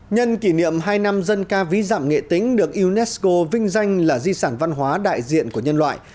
nhân kỷ niệm hai năm dân ca ví giảm nghệ tĩnh được unesco vinh danh là di sản văn hóa đại diện của nhân loại